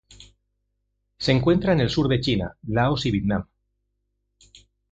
Se encuentra en el sur de China, Laos y Vietnam.